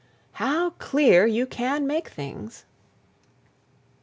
"How clear you can make things!"